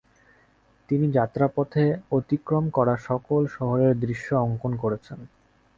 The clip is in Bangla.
তিনি যাত্রাপথে অতিক্রম করা সকল শহরের দৃশ্যও অঙ্কন করেছেন।